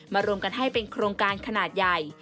รวมกันให้เป็นโครงการขนาดใหญ่